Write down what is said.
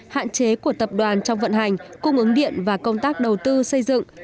hạn chế của tập đoàn trong vận hành cung ứng điện và công tác đầu tư xây dựng